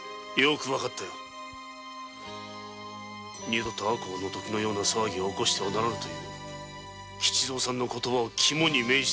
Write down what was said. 二度と赤穂の時のような騒ぎを起こしてはならぬという吉蔵さんの言葉を肝に銘じて。